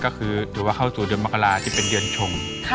ก็คือถือว่าเข้าสู่เดือนมกราที่เป็นเดือนชง